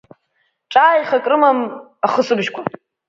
Ҿааихак рымам ахысбыжьқәа.